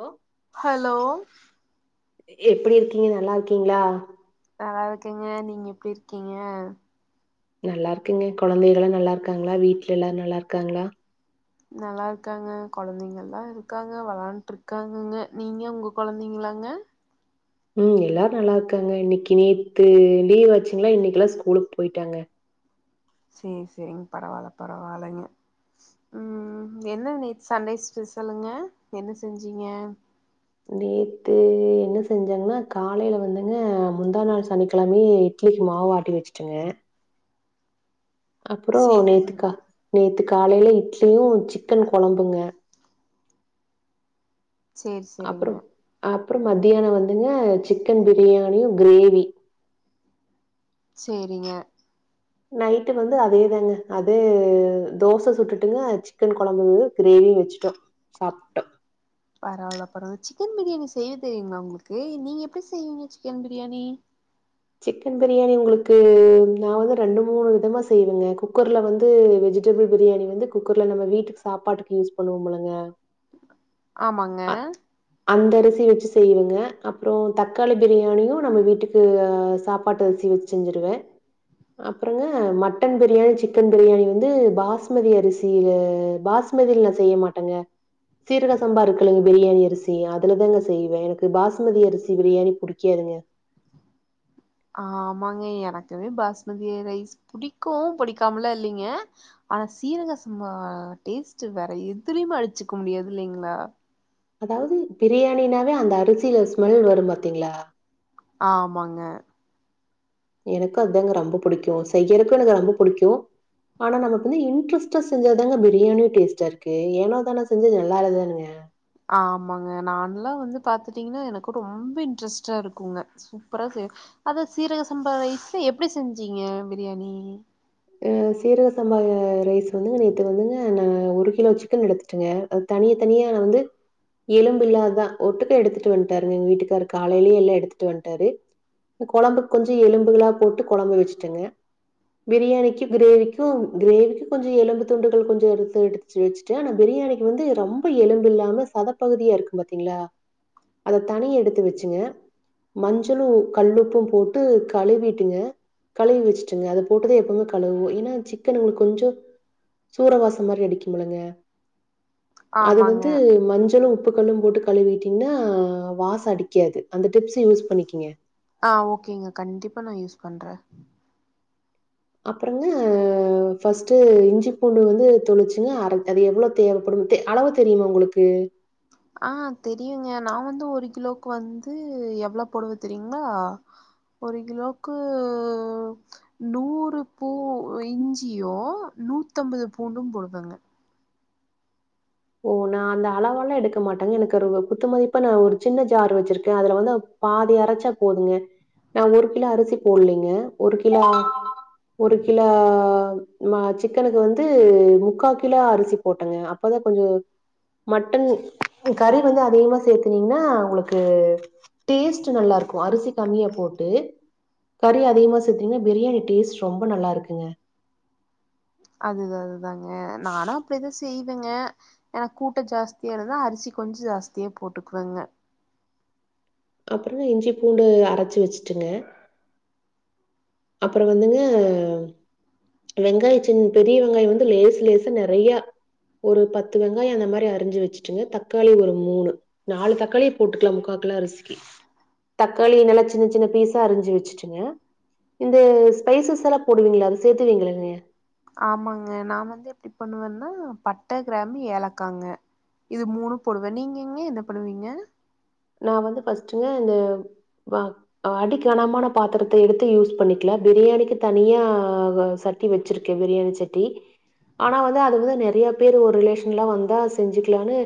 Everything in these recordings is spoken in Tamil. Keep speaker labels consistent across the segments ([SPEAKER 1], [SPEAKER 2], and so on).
[SPEAKER 1] ஓ
[SPEAKER 2] ஹலோ
[SPEAKER 1] எப்டி இருக்கீங்க நல்லாருக்கீங்ளா
[SPEAKER 2] நல்லா இருக்கேங்க நீங்க எப்டி இருக்கீங்க
[SPEAKER 1] நல்லா இருக்கங்க கொழந்தகளா நல்லாருக்காங்ளா வீட்ல எல்லாரு நல்லாருக்காங்ளா
[SPEAKER 2] நல்லாருக்காங்க கொழந்தங்கள்லா இருக்காங்க வளாண்ட்டு இருக்காங்கங்க நீங்க உங்க கொழந்தங்களாங்க
[SPEAKER 1] ம் எல்லாரு நல்லாருக்காங்க இன்னைக்கு நேத்து லீவ் வாச்சுங்ளா இன்னைக்லா ஸ்கூலுக் போய்ட்டாங்க
[SPEAKER 2] சேர் செரிங் பரவால பரவாலங்க ம் என்ன நேத்து சண்டே ஸ்பெஷலுங்க என்ன செஞ்சீங்க
[SPEAKER 1] நேத்து என்ன செஞ்சேங்னா காலேல வந்துங்க முந்தா நாள் சனிக்கழமயே இட்லிக்கு மாவு ஆட்டி வச்சுட்டங்க அப்றோ
[SPEAKER 2] சேரி
[SPEAKER 1] நேத்து கா நேத்து காலேல இட்லியு சிக்கன் கொழம்புங்க
[SPEAKER 2] சேரி சேரிங்க
[SPEAKER 1] அப்பறம் அப்பறம் மத்தியான வந்துங்க சிக்கன் பிரியாணியு கிரேவி
[SPEAKER 2] சேரிங்க
[SPEAKER 1] நைட்டு வந்து அதேதாங்க அது தோச சுட்டுட்டுங்க அ சிக்கன் கொழம்புங்க கிரேவி வச்ட்டோ சாப்ட்டோ
[SPEAKER 2] பரவால்ல பரவா சிக்கன் பிரியாணி செய்ய தெரியுங்களா உங்ளுக்கு நீங்க எப்டி செய்வீங்க சிக்கன் பிரியாணி
[SPEAKER 1] சிக்கன் பிரியாணி உங்களுக்கு நா வந்து ரெண்டு மூணு விதமா செய்வேங்க குக்கர்ல வந்து வெஜி டபள் பிரியாணி வந்து குக்கர்ல நம்ம வீட்டுக்கு சாப்பாட்டுக்கு யூஸ் பண்ணுவோம்ல்லங்க
[SPEAKER 2] ஆமாங்க
[SPEAKER 1] அந்த அரிசி வச்சு செய்வேங்க அப்றோ தக்காளி பிரியாணியு நம்ம வீட்டுக்கு அ சாப்பாட்டு அரிசி வச் செஞ்சிருவே அப்றங்க மட்டன் பிரியாணி சிக்கன் பிரியாணி வந்து பாஸ்மதி அரிசி பாஸ் மதில நா செய்ய மாட்டங்க சீரக சம்பா இருக்குலங்க பிரியாணி அரிசி அதுல தாங்க செய்வே எனக்கு பாஸ்மதி அரிசி பிரியாணி புடிக்காதுங்க
[SPEAKER 2] ஆமாங்க எனக்குமே பாஸ்மதி ரைஸ் புடிக்கு புடிக்காமலா இல்லீங்க ஆனா சீரகசம்பா டேஸ்ட் வேற எதுலயுமே அடுச்சுக்க முடியாது இல்லைங்ளா
[SPEAKER 1] அதாவது பிரியாணினாவே அந்த அரிசில ஸ்மெல் வரும் பாத்தீங்ளா
[SPEAKER 2] ஆமாங்க
[SPEAKER 1] எனக்கு அதாங்க ரொம்ப புடிக்கு செய்யருக்கு எனக்கு ரொம்ப புடிக்கு ஆனா நமக்கு வந்து இன்ட்ரெஸ்டா செஞ்சாதாங்க பிரியாணியும் டேஸ்டா இருக்கு ஏனோ தானா செஞ்சா அது நல்லால்லதானுங்க
[SPEAKER 2] ஆமாங்க நான்லா வந்து பாத்துட்டீங்கன்னா எனக்கு ரொம்ப இன்ட்ரெஸ்ட்டா இருக்குங்க சூப்பரா செய்வ அத சீரக சம்பா ரைஸ்ல எப்படி செஞ்சீங்க பிரியாணி
[SPEAKER 1] சீரக சம்பா ரைஸ் வந்துங்க நேற்று வந்துங்க நா ஒரு கிலோ சிக்கன் எடுத்து அது தனிய தனியா வந்து எலும்பு இல்லாததுதா ஒட்டுக்க எடுத்துட்டு வன்ட்டாருங்க எங்க வீட்டுக்காரு காலையிலயே எல்லா எடுத்துட்டு வன்ட்டாரு கொழம்புக்கு கொஞ்சோ எலும்பு போட்டு கொழம்பு வச்சுட்டேங்க பிரியாணிக்கு க்கு பிரியாணிக்கு கிரேவிக்கு கொஞ்ச எலும்பு துண்டுகள் கொஞ்ச இருந்து எடுத்து வச்ட்டே ஆனா பிரியாணிக்கு வந்து ரொம் ரொம்ப எலும்பு இல்லாம சதப்பகுதியா இருக்கு பாத்தீங்களா அத தனி எடுத்து வச்சுங்க மஞ்சளு கல்லுப்பு போட்டு கழுவிட்டுங்க கழுவி வச்சுட்டுங்க அத போட்டு தா எப்போ கழுவோ ஏன்னா சிக்கன் உங்களுக்கு கொஞ்சோ சூறவாசம் மாரி அடிக்குமில்லங்க அது
[SPEAKER 2] ஆமாங்க
[SPEAKER 1] வந்து மஞ்சளு உ உப்புக்கல்லு போட்டு கழுவிட்டீங்கன்னா வாச அடிக்காது அந்த டிப்ஸ் யூஸ் பண்ணிக்கிங்க
[SPEAKER 2] ஆ ஓகேங்க கண்டிப்பா நா யூஸ் பண்றே
[SPEAKER 1] அப்புறங்க ஃபர்ஸ்ட் இஞ்சி பூண்டு வந்து தொளிச்சுங்க அரப் அது எவ்வளோ தேவைப்படுத்தே அளவு தெரியுமா உங்களுக்கு
[SPEAKER 2] ஆ தெரியுங்க நா வந்து ஒரு கிலோக்கு வந்து எவ்ளோ போடுவ தெரியுங்களா ஒரு கிலோக்கு. நூறு பூ இஞ்சியு நூத்தம்பது பூண்டு போடுவாங்க
[SPEAKER 1] ஓ நா அந்த அளவெல்லா எடுக்க மாட்டே எனக்கு ஒரு குத்துமதிப்பா நா ஒரு சின்ன ஜார் வச்சிருக்கே அதுல வந்து பாதி அரைச்சா போதுங்க நா ஒரு கிலோ அரிசி போடலீங்க ஒரு கிலோ ஒரு கிலோ மா சிக்கனுக்கு வந்து முக்கா கிலோ அரிசி போட்டங்க அப்பதா கொஞ்சொ மட்டன் கறி வந்து அதிகமா சேர்த்துனீங்கன்னா உங்களுக்கு டேஸ்ட் நல்லாருக்கு அரிசி கம்மியா போட்டு கறி அதிகமா சேர்த்தீங்கன்னா பிரியாணி டேஸ்ட் ரொம்ப நல்லா இருக்குங்க
[SPEAKER 2] அதுதா அதுதாங்க நானு அப்டிதா செய்வேங்க ஏன்னா கூட்ட ஜாஸ்தியா இருந்தா அரிசி கொஞ்ச ஜாஸ்தியா போட்டுக்குவங்க
[SPEAKER 1] அப்புறோ இஞ்சி பூண்டு அரைச்சி வச்சுட்டுங்க அப்புறோ வந்துங்க வெங்காயச்சின் பெரிய வெங்காய வந்து லேசு லேசா நெறையா ஒரு பத்து வெங்காய அந்த மாரி அரிஞ்சு வச்சுட்டுங்க தக்காளி ஒரு மூணு நாலு தக்காளியே போட்டுக்கலா முக்காக்கிலோ அரிசிக்கு தக்காளிய நல்லா சின்ன சின்ன பீஸா அரிஞ்சு வச்சுட்டுங்க இந்த ஸ்பைசஸ் எல்லா போடுவீங்களா அதை சேர்த்துவீங்களா நீங்க
[SPEAKER 2] ஆமாங்க நா வந்து எப்டி பண்ணுவேன்னா பட்ட கிராம்பு ஏலக்காங்க இது மூணு போடுவே நீங்கங்க என்ன பண்ணுவீங்க
[SPEAKER 1] நா வந்து ஃபர்ஸ்ட்டுங்க இந்த வா அடி கனமான பாத்திரத்த எடுத்து யூஸ் பண்ணிக்கலா பிரியாணிக்கு தனியா ச சட்டி வச்சிருக்கே பிரியாணி சட்டி ஆனா வந்து அதுக்குதா நெறையா பேர் ஒரு ரிலேஷன்லா வந்தா செஞ்சுக்கலான்னு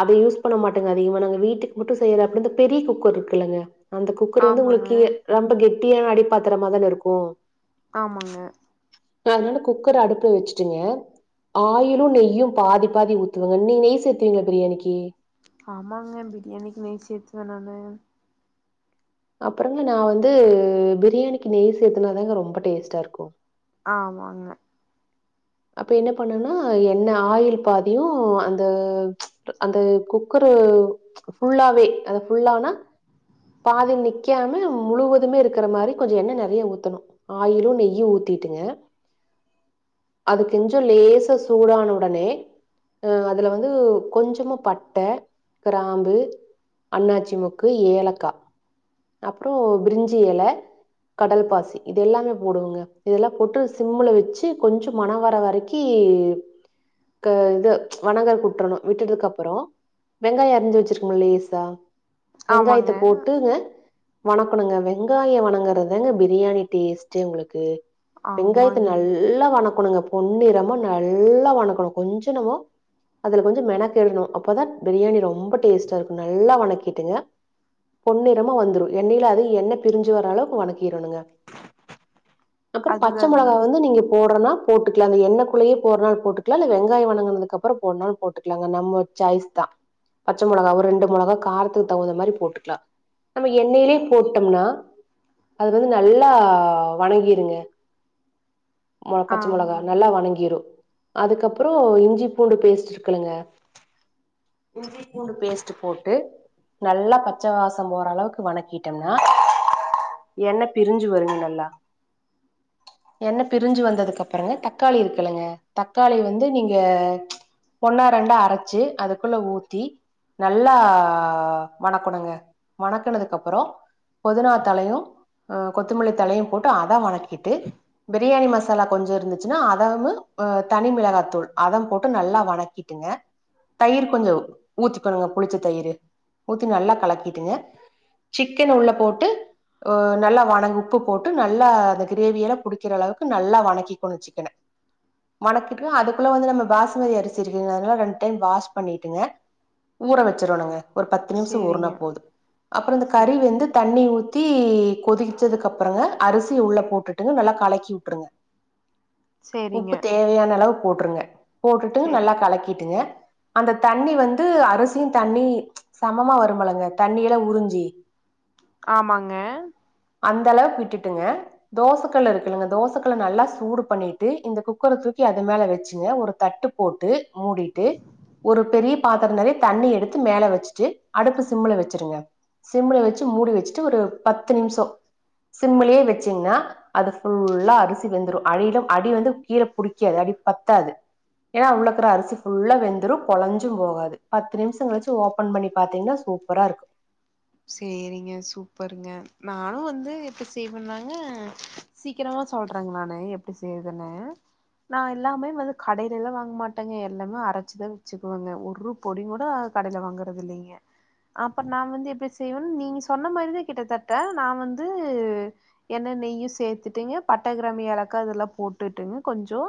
[SPEAKER 1] அத யூஸ் பண்ண மாட்டங்க அதிகமா நாங்க வீட்டுக் மட்டு செய்யற அப்புற இந்த பெரிய குக்கர் இருக்குல்லங்க அந்த குக்கர் வந்து
[SPEAKER 2] ஆமாங்க
[SPEAKER 1] உங்களுக்கு ரொம்ப கெட்டியான அடிப்பாத்திரமா தானே இருக்கு
[SPEAKER 2] ஆமாங்க
[SPEAKER 1] நா அதனால குக்கர் அடுப்புல வச்சுட்டேங்க ஆயிலு நெய்யு பாதி பாதி ஊத்துவங்க நீ நெய் சேரத்துவீங்களா பிரியாணிக்கு
[SPEAKER 2] ஆமாங்க பிரியாணிக்கு நெய் சேரத்துவே நானு
[SPEAKER 1] அப்புறங்க நா வந்து பிரியாணிக்கு நெய் சேத்துனாதாங்க ரொம்ப டேஸ்ட்டா இருக்கும்
[SPEAKER 2] ஆமாங்க
[SPEAKER 1] அப்ப என்ன பண்ணனா எண்ணெய் ஆயில் பாதியு அந்த அந்த குக்கரு ஃபுல்லாவே அத ஃபுல்லனா பாதில் நிற்காம முழுவதுமே இருக்கிற மாதிரி கொஞ்சோ எண்ணெய் நெறய ஊத்தணு ஆயிலு நெய்யு ஊத்திட்டுங்க அதுக்கெஞ்சோ லேச சூடான உடனே அ அதுல வந்து கொஞ்சமா பட்டை கிராம்பு அண்ணாச்சி மொக்கு ஏலக்கா அப்றொ பிரிஞ்சி எல கடல் பாசி இது எல்லாமே போடுவங்க இதெல்லா போட்டு சிம்ல வச்சு கொஞ்சோ மண வர வரைக் கி க இது வனங்கருக்கு உட்ரணும் விட்டதுக்கு அப்றோ வெங்காயம் அரிஞ்சு வச்சிருக்கம்ல லேசா வெங்காயத்த
[SPEAKER 2] ஆமாங்க
[SPEAKER 1] போட்டுங்க வணக்கணுங்க வெங்காய வணங்கறதுதாங்க பிரியாணி டேஸ்டே உங்களுக்கு வெங்காயத்த
[SPEAKER 2] ஆமாங்க
[SPEAKER 1] நல்லா வணக்கணுங்க பொன்னிறமா நல்லா வணக்கணு கொஞ்சோ நமோ அதுல கொஞ்சோ மெனக்கெடணும் அப்போதா பிரியாணி ரொம்ப டேஸ்டா இருக்கும் நல்லா வணக்கிட்டுங்க பொன்னிறமா வந்துரும் எண்ணையில அது எண்ண பிரிஞ்சு வர்ற அளவுக் வணக்கிடணுங்க அப்றோ பச்ச
[SPEAKER 2] அதுதாங்க
[SPEAKER 1] மிளகா வந்து நீங்க போடனுனா போட்டுக்லாங்க எண்ணெய் குள்ளயே போட்றனாலு போட்டுக்கலா இல்ல வெங்காய வணங்குதுக்குப்றம் போறனால போட்டுக்கலாங்க நம்ம சாய்ஸ் தா பச்ச மொளகா ஒரு ரெண்டு மிளகா காரத்துக்கு தகுந்த மாதிரி போட்டுக்கலா எண்ணையிலே போட்டோம்னா அது வந்து நல்லா வணங்கிருங்க ஆமா பச்சை மிளகா
[SPEAKER 2] ஆமாங்க
[SPEAKER 1] நல்லா வணங்கிரும் அதுக்கப்றம் இஞ்சி பூண்டு பேஸ்ட் இருக்குலுங்க இஞ்சி பூண்டு பேஸ்ட் போட்டு நல்லா பச்ச வாச போற அளவுக்கு வணக்கிட்டேம்னா எண்ணெய் பிரிஞ்சு வருங்க நல்லா எண்ண பிரிஞ்சு வந்ததுக்கு அப்புறங்க தக்காளி இருக்கலங்க தக்காளி வந்து நீங்க ஒன்னா ரெண்டா அரைச்சு அதுக்குள்ள ஊத்தி நல்லா வணக்கணுங்க வணக்குனதுக் அப்றோ பொதினா தலையு அ கொத்தமல்லி தலையு போட்டு அத வணக்கிட்டு பிரியாணி மசாலா கொஞ்சோ இருந்துச்சுன்னா அதவும் தனி மிளகா தூள் அதவும் போட்டு நல்லா வணக்கி ங்க தயிர் கொஞ்சோ ஊத்திக்கணுங்க புளிச்ச தயிரு ஊத்தி நல்லா கலக்கிட்டுங்க சிக்கன் உள்ள போட்டு நல்லா வண உப்பு போட்டு நல்லா அந்த கிரேவிய எல்லா புடிக்கிற அளவுக்கு நல்லா வணக்கிக்கனு சிக்கன வணக்கிட்டு அதுக்குள்ள வந்து நம்ம பாசுமதி அரிசி இருக்குங்க அதனால ரெண்டு டைம் வாஷ் பண்ணிட்டுங்க ஊற வச்சிரனுங்க ஒரு பத்து நிமிஷம் ஊர்னா
[SPEAKER 2] சேரிங்க
[SPEAKER 1] போது அப்றோ இந்த
[SPEAKER 2] சேரி
[SPEAKER 1] கறி வந்து தண்ணி ஊத் தி கொதிச்சதுக் அப்றங்க அரிசி உள்ள போட்டுட்டுங்க நல்லா கலக்கி உட்ருங்க
[SPEAKER 2] சேரிங்க
[SPEAKER 1] உப்பு தேவையான அளவு போட்டுருங்க போட்டுட்டு நல்லா
[SPEAKER 2] சேரிங்க
[SPEAKER 1] கலக்கிட்டுங்க அந்த தண்ணி வந்து அரிசியு தண்ணி சமமா வரும்பலங்க தண்ணி எல்லா உறிஞ் ஜி
[SPEAKER 2] ஆமாங்க
[SPEAKER 1] அந்த அளவுக்கு விட்டுட்டுங்க தோசக்கல்லு இருக்குல்லாங்க தோசக்கல்ல நல்லா சூடு பண்ணிட்டு இந்த குக்கர தூக்கி அது மேல வச்சுங்க ஒரு தட்டு போட்டு மூடிட்டு ஒரு பெரிய பாத்திர நெறைய தண்ணி எடுத்து மேல வச்சுட்டு அடுப்பு சிம்முல வச்சிடுங்க சிம்ள வச்சி மூடி வச்சுட்டு ஒரு பத்து நிம்ஷோ சிம்மளயே வச்சிங்கின்னா அது ஃபுல்லா அரிசி வெந்துரு அடியில அடி வந்து கீழ புடிக்காது அடி பத்தாது ஏன்னா உள்ளக்கிற அரிசி ஃபுல்லா வெந்தரு கொழஞ்சு போகாது பத்து நிம்ஷ கழிச்சு ஓபன் பண்ணி பாத்தீங்கன்னா சூப்பரா இருக்கு
[SPEAKER 2] சேரிங்க சூப்பருங்க நானு வந்து எப்டி செய்வண்ணாங்க சீக்கிரமா சொல்றேங்க நானு எப்டி செய்யறதுன்னு நா எல்லாமே வந்து கடையில எல்லா வாங்க மாட்டேங்க எல்லாமே அரச்சிதா வச்சுக்குவங்க ஒரு பொடி கூட ஆ கடைல வாங்கறது இல்லைங்க அப்றோ நா வந்து எப்டி செய்வன் நீங்க சொன்ன மாரிதா கிட்டத்தட்ட நா வந்து எண்ண நெய்யு சேத்துட்டுங்க பட்டக்கிராமு ஏலக்கா அதெல்லா போட்டுட்டுங்க கொஞ்சோ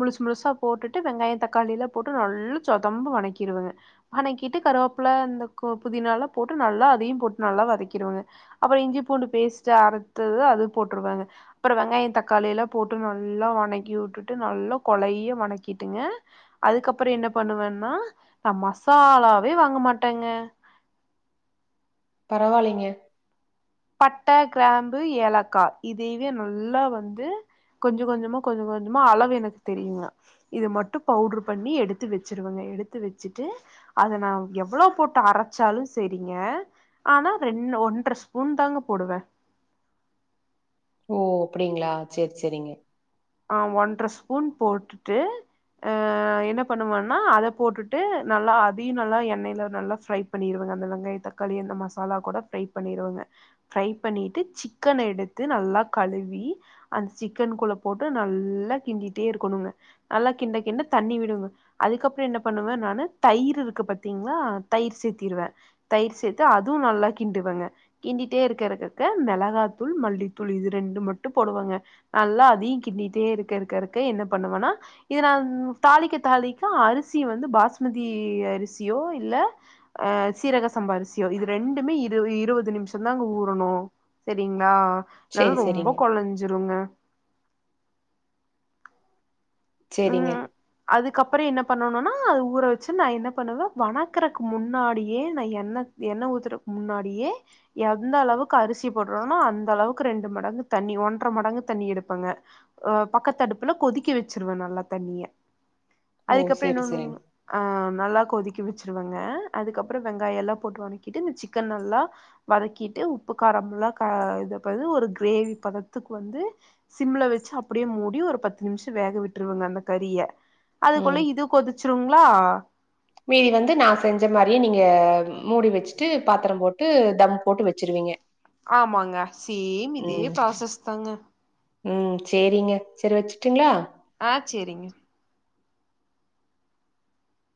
[SPEAKER 2] முழுசு முழுசா போட்டுட்டு வெங்காயோ தக்காளி எல்லா போட்டு நல்லா சொதம்ப வனக்கிருவங்க வணக்கிட்டு கருவாப்புல இந்த கோ புதினால போட்டு நல்லா அதையு போட்டு நல்லா வதைக்கிருவங்க அப்றோ இஞ்சி பூண்டு பேஸ்ட் அறத்தது அது போட்டுருவங்க அப்றோ வெங்காயோ தக்காளி எல்லா போட்டு நல்லா வணக்கி விட்டுட்டு நல்லா கொலைய வணக்கிட்டுங்க அதுக்கப்பற என்ன பண்ணுவேன்னா நா மசாலாவே வாங்க மாட்டேங்க
[SPEAKER 1] பரவால்லைங்க
[SPEAKER 2] பட்ட கிராம்பு ஏலக்கா இதுவே நல்லா வந்து கொஞ்ச கொஞ்சமா கொஞ்ச கொஞ்சமா அளவு எனக்கு தெரியுங்க இது மட்டு பவுட்ரு பண்ணி எடுத்து வச்சுருவங்க எடுத்து வச்சுட்டு அத நா எவ்ளோ போட்டு அரச்சாலு செரிங்க ஆனா ரெண் ஒன்றர ஸ் பூன் தாங்க போடுவே
[SPEAKER 1] ஓ அப்டிங்களா செரி செரிங்க
[SPEAKER 2] ஆ ஒன்ற ஸ்பூன் போட்டுட்டு அ என்ன பண்ணுவன்னா அத போட்டுட்டு நல்லா அதையு நல்லா எண்ணெயில நல்லா ஃப்ரை பண்ணிருவங்க அந்த வெங்காய தக்காளி அந்த மசாலா கூட ஃப்ரை பண்ணிருவங்க ஃப்ரை பண்ணிட்டு சிக்கன எடுத்து நல்லா கழுவி அந்த சிக்கன் குள்ள போட்டு நல்லா கிண்டிட்டே இருக்கணுங்க நல்லா கிண்ட கிண்ட தண்ணி விடுங்க அதுக்கப்றோ என்ன பண்ணுவே நானு தயிர் இருக்கு பாத்தீங்களா தயிர் சேத்திருவே தயிர் சேத்து அதுவு நல்லா கிண்டுவங்க கிண்டிட்டே இருக்க இருக்கருக்க மெளகா தூள் மல்லித்தூள் இது ரெண்டு மட்டு போடுவங்க நல்லா அதி கிண்டிட்டே இருக்க இருக்க இருக்க என்ன பண்ணுவனா இத நா தாளிக்க தாளிக்க அரிசி வந்து பாஸ்மதி அரிசியோ இல்ல அ சீரக சம்பா அரிசியோ இது ரெண்டுமே இரு இருவது நிம்ஷ தாங்க ஊறணு செரிங்களா இல்லன்னா
[SPEAKER 1] சேரி சேரிங்க
[SPEAKER 2] ரொம்ப கொலஞ்சிருங்க
[SPEAKER 1] சேரிங்க
[SPEAKER 2] அதுக்கப்றோ என்ன பண்ணணுன்னா அது ஊற வச்சு நா என்ன பண்ணுவே வணக்கறக்கு முன்னாடியே நா எண்ண இது எண்ண ஊத்தறக்கு முன்னாடியே எந்த அளவுக்கு அரிசி போடுறோனா அந்த அளவுக்கு ரெண்டு மடங்கு தண்ணி ஒன்றர மடங்கு தண்ணி எடுப்பங்க அ பக்கத்து அடுப்புல கொதிக்க வச்சிருவே நல்லா தண்ணிய
[SPEAKER 1] ஓ!
[SPEAKER 2] அதுக்கப்பறோ
[SPEAKER 1] சரி,
[SPEAKER 2] என்ன பண்ணு
[SPEAKER 1] சரிங்க.
[SPEAKER 2] அ நல்லா கொதிக்க வச்சிருவாங்க அதுக்கப்பறோ வெங்காயோ எல்லா போட்டு வனக்கிட்டு இந்த சிக்கன் நல்லா வதக்கிட்டு உப்பு காரம்ல்லா க இத பது ஒரு கிரேவி பதத்துக்கு வந்து சிம்மில வச்சு அப்டியே மூடி ஒரு பத்து நிம்ஷ ட்டு வேக விட்ருவங்க அந்த கறிய அதுக்குள்ள
[SPEAKER 1] ம்.
[SPEAKER 2] இது கொதிச்சிருங்ளா
[SPEAKER 1] மீதி வந்து நா செஞ்ச மாரியே நீங்க மூடி வச்சுட்டு பாத்திர போட்டு தம் போட்டு வச்சிருவீங்க
[SPEAKER 2] ஆமாங்க சேம் இதே ப்ராசஸ் தாங்க
[SPEAKER 1] ம் சேரிங்க சேரி வச்சுர்டங்களா
[SPEAKER 2] ஆ சேரிங்க